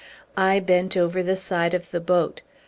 I bent over the side of the boat.